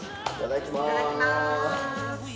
いただきます。